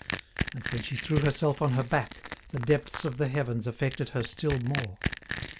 And when she threw herself on her back, the depths of the heavens affected her still more.